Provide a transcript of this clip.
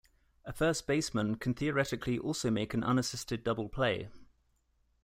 A first baseman can theoretically also make an unassisted double play.